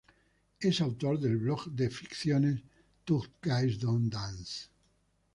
Es autor del blog de ficciones "Tough Guys Don’t Dance".